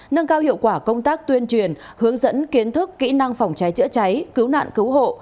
nâng cao hiệu quả công tác tuyên truyền hướng dẫn kiến thức kỹ năng phòng cháy chữa cháy cứu nạn cứu hộ